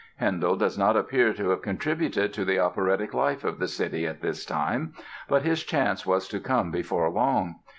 Handel does not appear to have contributed to the operatic life of the city at this time but his chance was to come before long.